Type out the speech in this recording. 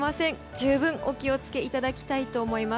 十分お気を付けいただきたいと思います。